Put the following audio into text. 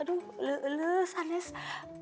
aduh lulus aneh